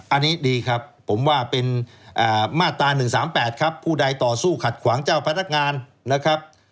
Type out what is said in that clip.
อันนี้ดีครับผมว่าเป็นมาตรา๑๓๘ครับผู้ใดต่อสู้ขัดขวางเจ้าพนักงานนะครับ